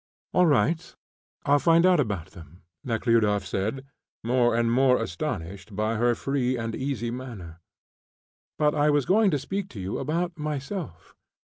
"All right. I'll find out about them," Nekhludoff said, more and more astonished by her free and easy manner. "But I was going to speak to you about myself.